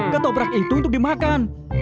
ketoprak itu untuk dimakan